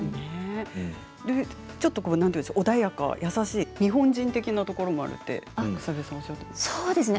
ちょっと穏やかで優しい日本人的なところがあるとおっしゃっていましたね。